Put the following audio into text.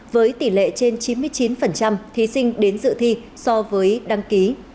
với tỷ lệ trên chín mươi chín thí sinh đến dự thi so với đăng ký